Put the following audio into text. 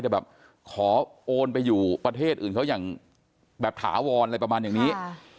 แต่แบบขอโอนไปอยู่ประเทศอื่นเขาอย่างแบบถาวรอะไรประมาณอย่างนี้